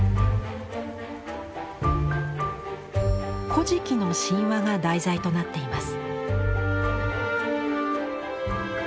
「古事記」の神話が題材となっています。